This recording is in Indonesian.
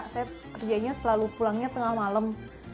saya kerjanya selalu pulangnya tengah malam